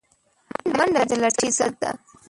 منډه د لټۍ ضد ده